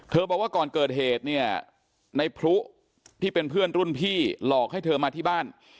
บอกว่าก่อนเกิดเหตุเนี่ยในพลุที่เป็นเพื่อนรุ่นพี่หลอกให้เธอมาที่บ้าน